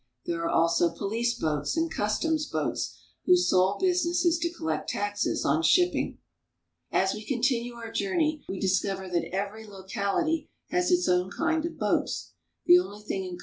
There are also police boats 154 CHINESE BOATS AND BOAT PEOPLE and customs boats whose sole business it is to collect taxes on shipping. As we continue our journey, we discover that every local ity has its own kind of boats, the only thing in.